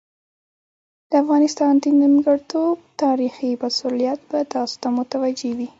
د افغانستان د نیمګړتوب تاریخي مسوولیت به تاسو ته متوجه وي.